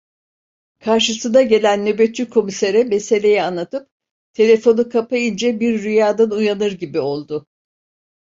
Karşısına gelen nöbetçi komisere meseleyi anlatıp telefonu kapayınca bir rüyadan uyanır gibi oldu.